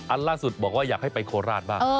ล่าสุดบอกว่าอยากให้ไปโคราชบ้าง